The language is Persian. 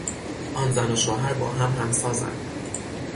آن زن و شوهر با هم همسازند.